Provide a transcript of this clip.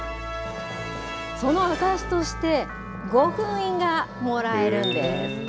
その証しとして、御墳印がもらえるんです。